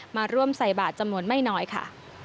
มาร่วมใส่บาทจำนวนไม่น้อยค่ะ